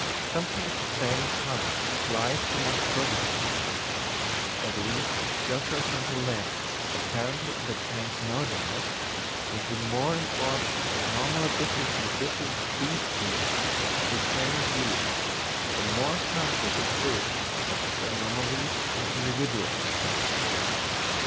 Something of the same kind applies to monstrosities: at least Is. Geoffroy St. Hilaire apparently entertains no doubt, that the more an organ normally differs in the different species of the same group, the more subject it is to anomalies in the individuals.